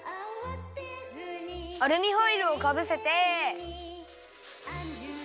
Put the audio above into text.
アルミホイルをかぶせて。